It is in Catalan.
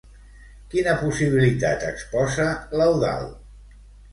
Quina possibilitat exposa, l'Eudald?